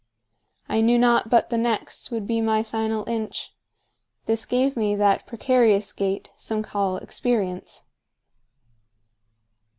I knew not but the nextWould be my final inch,—This gave me that precarious gaitSome call experience.